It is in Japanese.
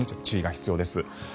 注意が必要です。